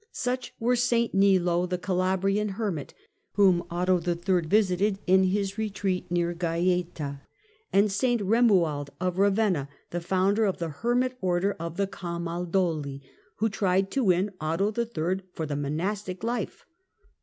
Such were St Nilo, the Calabrian hermit, whom Otto III. visited in his retreat near Gaeta, and St Eomuald of Kavenna, the founder of the hermit Order of the Camaldoli, who tried to win Otto III. for the monastic life.